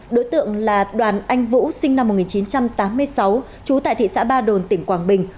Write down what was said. đối tượng là đoàn anh vũ sinh năm một nghìn chín trăm tám mươi sáu trú tại thị xã ba đồn tỉnh quảng bình